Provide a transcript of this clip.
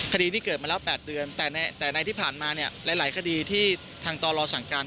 คดีนี้เกิดมาแล้ว๘เดือนแต่ในที่ผ่านมาเนี่ยหลายคดีที่ทางต่อรอสั่งการ